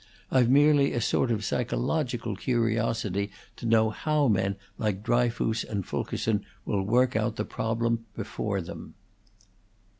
I've merely a sort of psychological curiosity to know how men like Dryfoos and Fulkerson will work out the problem before them."